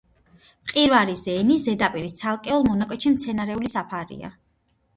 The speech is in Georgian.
მყინვარის ენის ზედაპირის ცალკეულ მონაკვეთში მცენარეული საფარია.